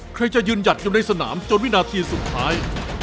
ใครจะยืนหยัดกันในสนามจนวินาทีสุดท้าย